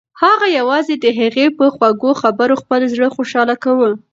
هغه یوازې د هغې په خوږو خبرو خپل زړه خوشحاله کاوه.